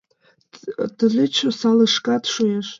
Тылеч осалышкат шуэш.